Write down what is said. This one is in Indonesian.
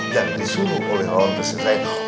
yang disuruh oleh lawan pesis saya